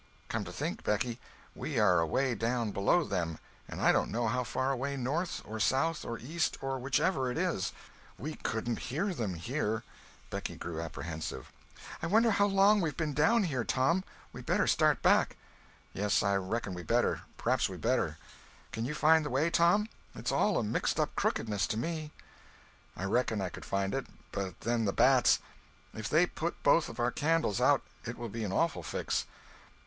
"Come to think, Becky, we are away down below them—and I don't know how far away north, or south, or east, or whichever it is. We couldn't hear them here." Becky grew apprehensive. "I wonder how long we've been down here, Tom? We better start back." "Yes, I reckon we better. P'raps we better." "Can you find the way, Tom? It's all a mixed up crookedness to me." "I reckon I could find it—but then the bats. If they put our candles out it will be an awful fix.